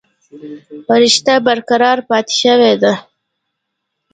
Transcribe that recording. رشته برقرار پاتې شوې ده